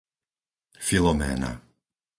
Filoména